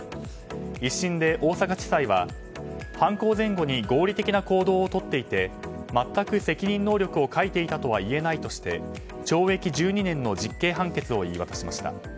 １審で大阪地裁は、犯行前後に合理的な行動をとっていて全く責任能力を欠いていたとは言えないとして懲役１２年の実刑判決を言い渡しました。